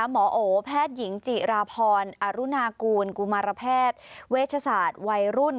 หมอโอแพทย์หญิงจิราพรอรุณากูลกุมารแพทย์เวชศาสตร์วัยรุ่น